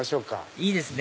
いいですね！